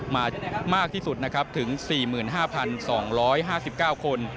มากที่สุดนะครับถึง๔๕๒๕๙คน